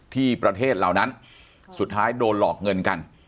ที่ประเทศเหล่านั้นสุดท้ายโดนหลอกเงินกัน